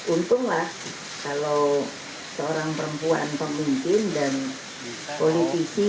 untunglah kalau seorang perempuan pemimpin dan politisi